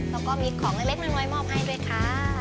แล้วก็มีของเล็กน้อยมอบให้ด้วยค่ะ